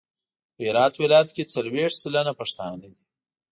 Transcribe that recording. په هرات ولایت کې څلویښت سلنه پښتانه دي.